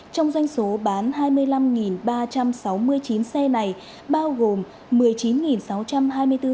trong doanh số bán hai mươi năm ba trăm sáu mươi chín xe này bao gồm một mươi chín sáu trăm linh xe